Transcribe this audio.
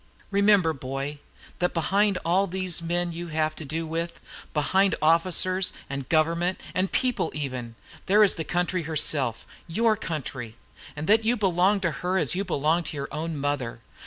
Remember, boy, that behind all these men you have to do with, behind officers, and government, and people even, there is the Country Herself, your Country, and that you belong to Her as you belong to your own mother.